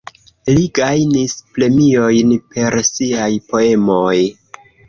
Li gajnis premiojn per siaj poemoj.